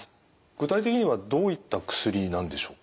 具体的にはどういった薬なんでしょうか？